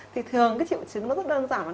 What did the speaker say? thì thường cái triệu chứng nó rất đơn giản